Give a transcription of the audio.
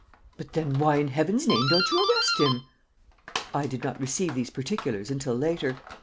"But then why, in heaven's name, don't you arrest him?" "I did not receive these particulars until later.